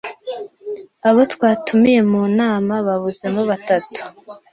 Abô twatumiye mu nama habuzemo batatu,